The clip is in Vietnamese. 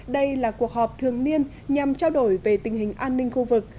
đây là cuộc họp thường niên nhằm trao đổi về tình hình an ninh khu vực